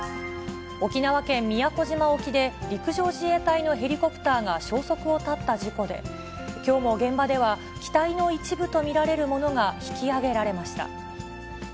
沖縄県宮古島沖で陸上自衛隊のヘリコプターが消息を絶った事故で、きょうも現場では、機体の一部と見られるものが引き揚げられました。